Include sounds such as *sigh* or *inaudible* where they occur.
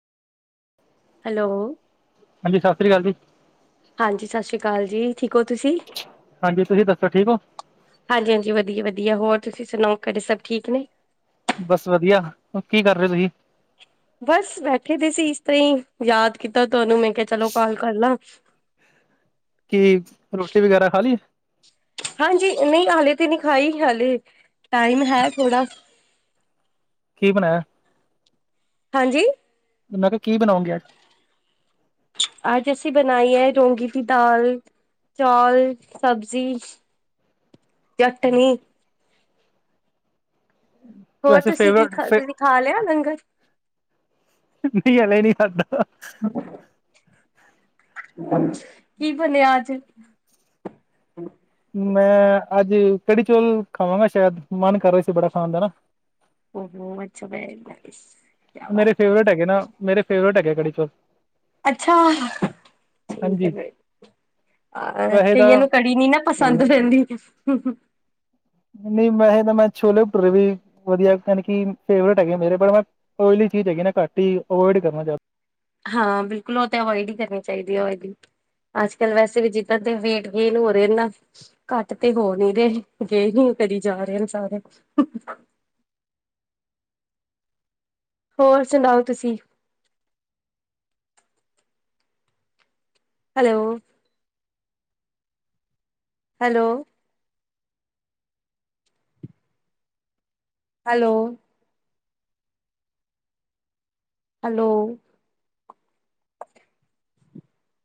Hello, ਹਾਂਜੀ, ਸਤਿ ਸ਼੍ਰੀ ਅਕਾਲ ਜੀ। ਹਾਂਜੀ ਸਤਿ ਸ਼੍ਰੀ ਅਕਾਲ ਜੀ, ਠੀਕ ਹੋ ਤੁਸੀਂ? ਹਾਂਜੀ ਤੁਸੀਂ, ਦੱਸੋ ਠੀਕ ਹੋ? ਹਾਂਜੀ ਹਾਂਜੀ, ਵਧੀਆ ਵਧੀਆ ਹੋਰ ਤੁਸੀਂ ਸੁਣਾਓ ਘਰੇ ਸਭ ਠੀਕ ਨੇ। ਬਸ ਵਧੀਆ ਕੀ ਕਰ ਰਹੇ ਤੁਸੀਂ? ਬਸ ਬੈਠੇ ਦੇ ਸੀ ਇਸ ਤਰ੍ਹਾਂ ਹੀ ਯਾਦ ਕੀਤਾ ਤੁਹਾਨੂੰ ਮੈਂ ਕਿਹਾ ਚਲੋ ਕਾਲ ਕਰਲਾ। ਕੀ ਰੋਟੀ ਵਗੈਰਾ ਖਾ ਲਈ। ਹਾਂਜੀ, ਨਹੀਂ ਹਾਲੇ ਤੇ ਨ ਖਾਈ ਹਾਲੇ ਟਾਈਮ ਹੈ ਥੋੜਾ ਕੀ ਬਣਾਇਆ? ਹਾਂਜੀ, ਮੈਂ ਕਿਹਾ ਕੀ ਬਣਾਓਗੇ ਅੱਜ? ਅੱਜ ਅਸੀਂ ਬਣਾਈ ਐ ਰੋਂਂਗੀ ਦੀ ਦਾਲ। ਚੌਲ ਸਬਜ਼ੀ ਚਟਨੀ। ਹੋਰ ਵੈਸੇ ਤੁਸੀਂ ਕੀ ਫੇਵਰਟ ਖਾ ਤੁਸੀਂ ਖਾ ਲਿਆ ਲੰਗਰ। ਨੀ ਹਲੇ ਨੀ ਖਾਦਾ। *unintelligible* ਕੀ ਬਣਿਆ ਅੱਜ। ਮੈਂ ਅੱਜ ਕੜੀ ਚੋਲ ਖਾਵਾਂਗਾ ਸ਼ਾਇਦ ਮਨ ਕਰ ਰਹਾ ਸੀ ਬੜਾ ਖਾਣ ਦਾ ਨਾ। ਓ ਹੋ *inaudible* ਮੇਰੇ ਫੇਵਰੇਟ ਹੈਗੇ ਨਾ ਮੇਰੇ ਫੇਵਰੇਟ ਹੈਗੇ ਕੜੀ ਚੌਲ। ਅੱਛਾ, ਠੀਕ ਹੈ ਹਾਂਜੀ ਫਿਰ ਵੈਸੇ ਤਾਂ ਕਈਆਂ ਨੂੰ। ਪੀਨੀ ਨਾ ਪਸੰਦ ਰਹਿੰਦੀ। ਨਹੀਂ ਵੈਸੇ ਤਾਂ ਮੈਂ ਛੋਲੇ ਭੁਰੇ ਵੀ ਵਧੀਆ ਯਾਨੀ ਕਿ ਫੇਵਰੇਟ ਹੈਗੇ ਮੇਰੇ ਪਰ ਮੈਂ। ਓਇਲੀ ਚੀਜ਼ ਹੈਗੀ ਨਾ ਘੱਟ ਹੀ ਅਵੋਇਡ ਹੀ ਕਰਨਾ ਚਾੁੰਹੁਦਾ। ਹਾਂ ਬਿਲਕੁਲ ਉਹ ਤਾਂ ਅਵਾਇਡ ਹੀ ਕਰਨੀ ਚਾਹੀਦੀ ਹੈ। ਆਇਲੀ। ਅੱਜ ਕੱਲ ਵੈਸੇ ਵੀ ਜਿੱਦਾਂ ਤੇ ਵੇਟ ਗੇਨ ਹੋ ਰਹੇ ਨਾ। ਘੱਟ ਤੇ ਹੋ ਨੀ ਰਹੇ ਗੇ ਨੀ ਕਰਦੀ ਜਾ ਰਹੇ ਨੇ ਸਾਰੇ। ਹੋਰ ਸੁਣਾਓ ਤੁਸੀਂ? Hello hello hello hello